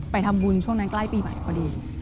ไปทำบุญช่วงนั้นใกล้ปีอาทิศ